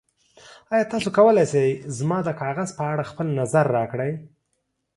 ایا تاسو کولی شئ زما د کاغذ په اړه خپل نظر راکړئ؟